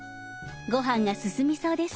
ご飯が進みそうです。